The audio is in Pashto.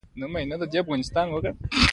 له بدې لارې مو منع کوي دا د پلار کار دی.